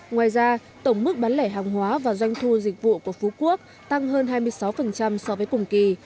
ngoài ra tổng mức bán lẻ hàng hóa và doanh thu dịch vụ của phú quốc tăng hơn hai mươi sáu so với cùng kỳ